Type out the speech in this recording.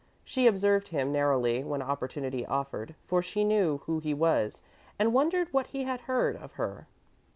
She observed him narrowly when opportunity offered, for she knew who he was, and wondered what he had heard of her.